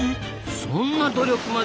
そんな努力まで！